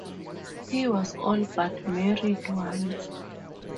He was all but married once.